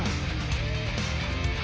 あ！